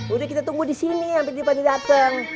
udah kita tunggu disini sampe tiba tiba dateng